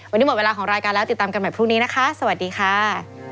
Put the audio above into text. วันนี้หมดเวลาของรายการแล้วติดตามกันใหม่พรุ่งนี้นะคะสวัสดีค่ะ